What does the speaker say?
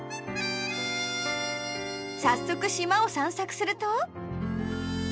早速島を散策すると？